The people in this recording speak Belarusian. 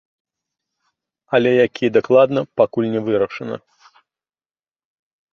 Але якія дакладна пакуль не вырашана.